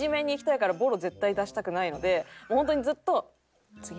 ホントにずっと。